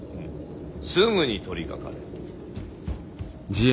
すぐに取りかかれ。